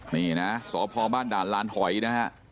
นี่นะสพบ้านด่านลานหอยนะฮะ